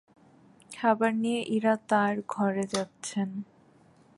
খাবার নিয়ে ইরা তাঁর ঘরে যাচ্ছেন।